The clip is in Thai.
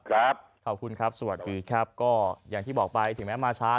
ครับขอบคุณครับสวัสดีครับก็อย่างที่บอกไปถึงแม้มาช้า